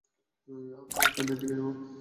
আমরা ওখানেই থেকে যাবো।